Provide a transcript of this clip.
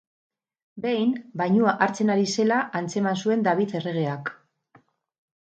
Behin, bainua hartzen ari zela atzeman zuen David erregeak.